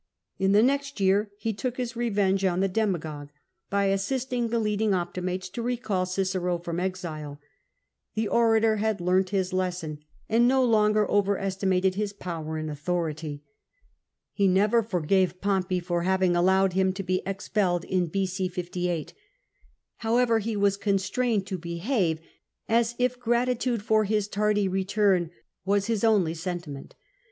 In the next year he took his revenge on the demagogue, by assist ing tlxe leading Optimates to recall Cicero from exile, The orator had learnt his lesson, and no longer over esti From the !\fi<sein>t THE FAMINE OF B.a 57 ^269 mated Ms own power and authority. He never for gave Pompey for having allowed him to be expelled in B.c. 58. However, he was constrained to behave as if gratitude for his tardy return was his only sentiment.